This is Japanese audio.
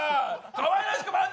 かわいらしく漫才